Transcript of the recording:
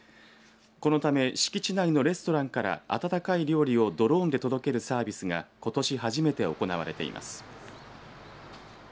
このため敷地内のレストランから温かい料理をドローンで届けるサービスがことし初めて行われています。